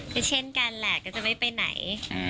ก็เช่นกันแหละก็จะไม่ไปไหน